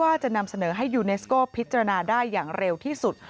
ว่าจะนำเสนอให้ยูเนสโก้พิจารณาได้อย่างเร็วที่สุด